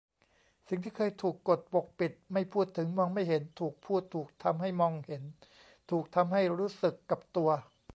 สิ่งที่เคยถูกกดปกปิดไม่พูดถึงมองไม่เห็น ถูกพูดถูกทำให้มองเห็น ถูกทำให้รู้สึกกับตัว